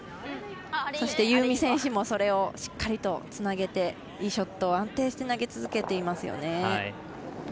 そして、夕湖選手もそれをつなげていいショットを安定して投げ続けていますよね。